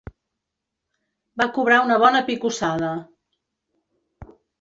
Va cobrar una bona picossada.